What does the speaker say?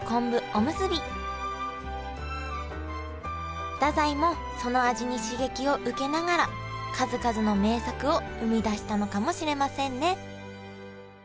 おむすび太宰もその味に刺激を受けながら数々の名作を生み出したのかもしれませんね